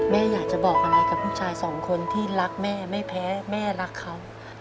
แม่อยากจะบอกอะไรกับผู้ชายสองคนที่รักแม่ไม่แพ้แม่รักเขา